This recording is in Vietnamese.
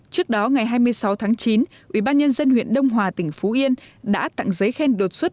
trước đó ngày hai mươi sáu tháng chín ubnd huyện đông hòa tỉnh phú yên đã tặng giấy khen đột xuất